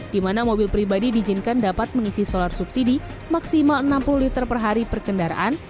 di mana mobil pribadi diizinkan dapat mengisi solar subsidi maksimal enam puluh liter per hari per kendaraan